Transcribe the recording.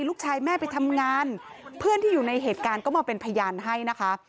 ลูกชายแม่ไปทำงานเพื่อนที่อยู่ในเหตุการณ์ก็มาเป็นพยานให้นะคะ